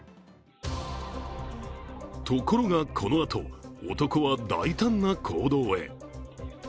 ところが、このあと、男は大胆な行動へ。